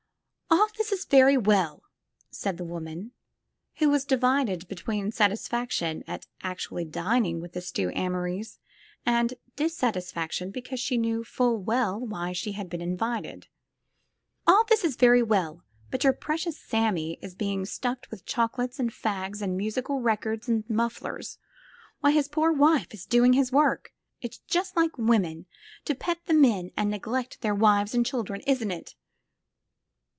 '*A11 this is very well," said the woman, who was divided between satisfaction at actually dining with the Stuy Amorys and dissatisfaction because she knew full well why she had been invited. ''All this is very well, but your precious 'Sammie' is being stuffed with chocolate and fags and musical records and mufflers, while his poor wife is doing his work. It's just like women to pet the men and neglect their wives and children, isn't it?"